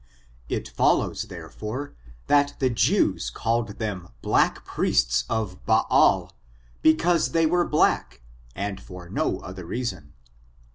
It follows, therefore, that the Jews called them black priests of Baal, because they were black, and for no other reason.